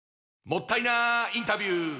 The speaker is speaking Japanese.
もったいなインタビュー！